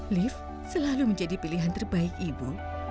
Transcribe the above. lift selalu menjadi pilihan terbaik ibu